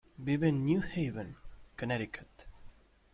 Vive en New Haven, Connecticut.